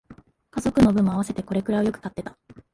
家族の分も合わせてこれくらいはよく買ってた